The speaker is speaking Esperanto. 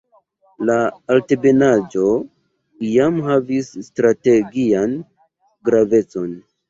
La altebenaĵo iam havis strategian gravecon.